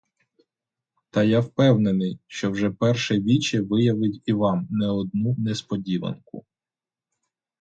Та я певний, що вже перше віче виявить і вам не одну несподіванку.